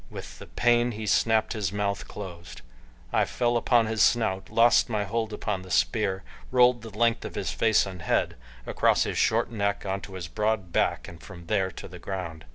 With the pain he snapped his mouth closed. I fell upon his snout, lost my hold upon the spear, rolled the length of his face and head, across his short neck onto his broad back and from there to the ground.